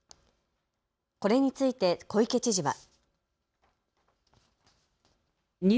これについて小池知事は。